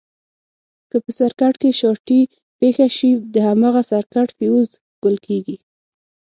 که په سرکټ کې شارټي پېښه شي د هماغه سرکټ فیوز ګل کېږي.